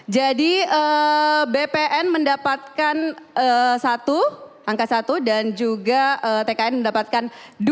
jadi bpn mendapatkan satu angka satu dan juga tkn mendapatkan dua